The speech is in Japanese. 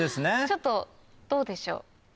ちょっとどうでしょう？